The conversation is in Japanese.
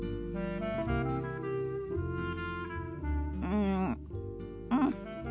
うんうん。